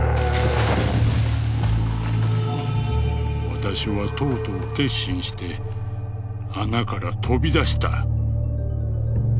「私はとうとう決心して穴から飛び出した」。